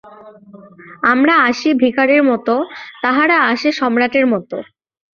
আমরা আসি ভিখারীর মত, তাঁহারা আসেন সম্রাটের মত।